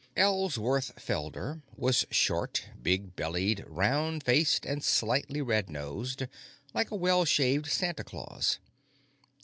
Ellsworth Felder was short, big bellied, round faced, and slightly red nosed, like a well shaved Santa Claus.